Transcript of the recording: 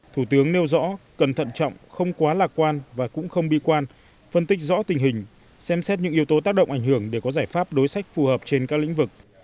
thủ tướng nêu rõ cẩn thận trọng không quá lạc quan và cũng không bi quan phân tích rõ tình hình xem xét những yếu tố tác động ảnh hưởng để có giải pháp đối sách phù hợp trên các lĩnh vực